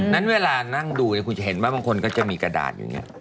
นั้นเวลานั่งดูคุณจะเห็นว่าบางคนก็จะมีกระดาษอยู่อย่างนี้